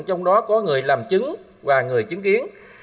trong đó có người làm chứng và người chứng kiến